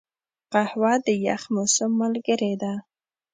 قهوه د یخ موسم ملګرې ده